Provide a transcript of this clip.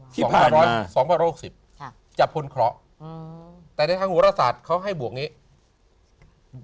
ที่ผ่านมา๒๑๖๐ธนาทีแจบท้นเคราะห์แต่ในทางหัวโลกศัตริย์เขาให้บวกแบบนี้